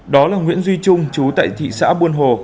đó là nguyễn duy trung chú tại thị xã buôn hồ